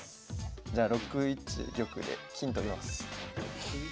じゃあ６一玉で金取ります。